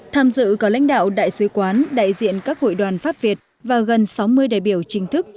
tham dự có lãnh đạo đại sứ quán đại diện các hội đoàn pháp việt và gần sáu mươi đại biểu chính thức